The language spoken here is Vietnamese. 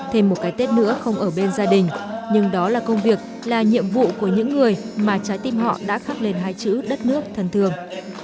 thêm một cái tết nữa không ở bên gia đình nhưng đó là công việc là nhiệm vụ của những người mà trái tim họ đã khắc lên hai chữ đất nước thần thường